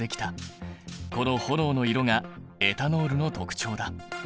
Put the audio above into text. この炎の色がエタノールの特徴だ。